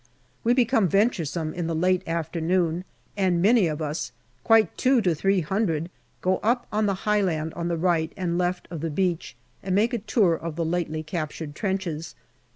We become venturesome in the late afternoon, and many of us, quite two to three hundred, go up on the high land on the right and left of the beach and make a tour of the lately captured trenches.